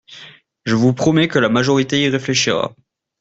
Je vous promets que la majorité y réfléchira.